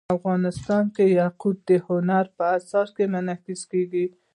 افغانستان کې یاقوت د هنر په اثار کې منعکس کېږي.